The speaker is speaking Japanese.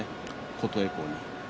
琴恵光に。